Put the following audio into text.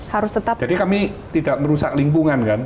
jadi kami tidak merusak lingkungan kan